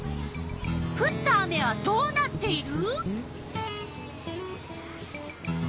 ふった雨はどうなっている？